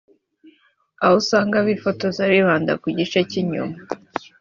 aho usanga bifotoza bibanda ku gice k’inyuma